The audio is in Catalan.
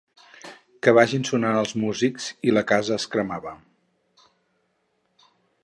Que vagin sonant els músics, i la casa es cremava.